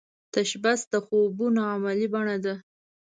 تشبث د خوبونو عملې بڼه ده